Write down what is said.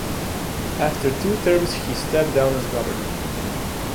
After two terms he stepped down as governor.